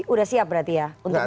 udah siap berarti ya